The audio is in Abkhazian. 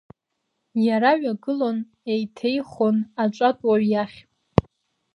Иара ҩагылон, еиҭеихон аҿатә уаҩ иахь.